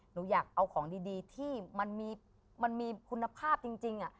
หนูอยากเอาของดีที่มันมีคุณภาพจริง